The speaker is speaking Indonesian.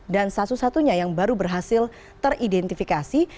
dan satu satunya yang baru berhasil teridentifikasi